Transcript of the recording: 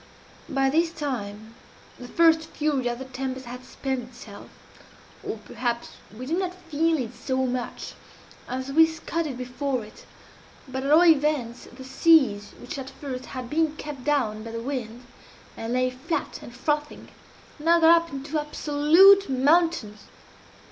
"By this time the first fury of the tempest had spent itself, or perhaps we did not feel it so much as we scudded before it; but at all events the seas, which at first had been kept down by the wind, and lay flat and frothing, now got up into absolute mountains.